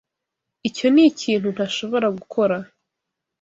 Icyo nikintu ntashobora gukora.